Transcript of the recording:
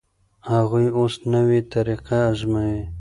هغوی اوس نوې طریقه ازمويي.